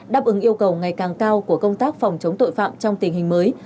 đáp ứng yêu cầu ngày càng cao của công tác phòng chống tội phạm trong tình hình mới